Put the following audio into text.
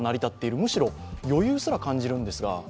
むしろ余裕すら感じるんですが。